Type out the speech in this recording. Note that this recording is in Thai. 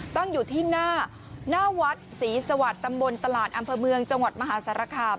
ตั้งอยู่ที่หน้าวัดศรีสวัสดิ์ตำบลตลาดอำเภอเมืองจังหวัดมหาสารคาม